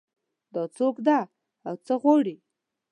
دا څوک ده او څه غواړي